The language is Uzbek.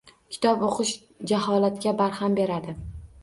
Kitob o‘qish jaholatga barham beradi.